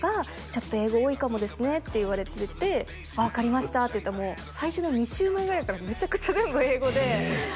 「ちょっと英語多いかもですね」って言われてて「分かりました」って言ったらもう最初の２週目ぐらいからめちゃくちゃ全部英語でええ！